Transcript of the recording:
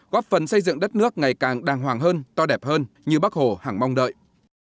góp phần xây dựng đất nước ngày càng đàng hoàng hơn to đẹp hơn như bác hồ hẳng mong đợi